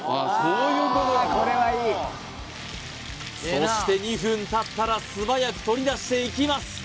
これはいいそして２分たったら素早く取り出していきます